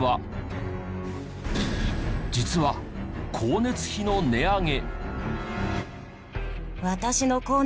実は光熱費の値上げ。